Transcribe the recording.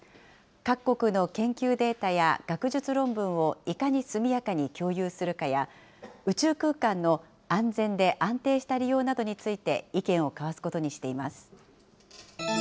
各国の研究データや学術論文をいかに速やかに共有するかや、宇宙空間の安全で安定した利用などについて、意見を交わすことにしています。